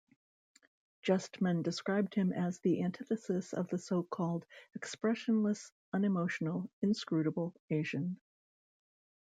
Justman described him as the antithesis of the so-called expressionless-unemotional-inscrutable Asian.